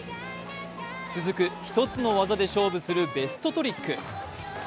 続く１つの技で勝負するベストトリック。